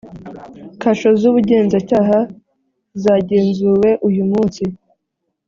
Kasho z Ubugenzacyaha zagenzuwe uyu munsi